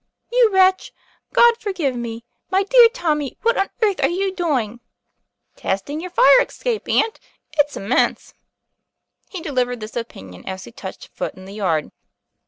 " You wretch God forgive me! my dear Tommy, what on earth are you doing?" 'Testing your fire escape, aunt. It's immense!" He delivered this opinion as he touched foot in the yard.